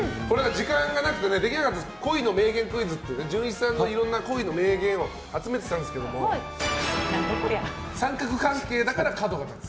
時間がなくてできなかったんですけど恋の名言クイズっていう純一さんのいろいろな恋の名言を集めていたんですけど三角関係だから角が立つ。